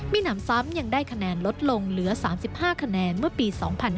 มีหนำซ้ำยังได้คะแนนลดลงเหลือ๓๕คะแนนเมื่อปี๒๕๕๙